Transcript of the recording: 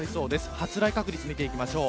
発雷確率を見ていきます。